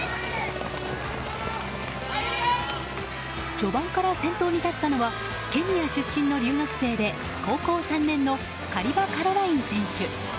序盤から先頭に立ったのはケニア出身の留学生で高校３年のカリバ・カロライン選手。